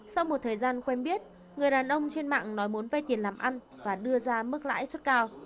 sau một thời gian quen biết người đàn ông trên mạng nói muốn vay tiền làm ăn và đưa ra mức lãi suất cao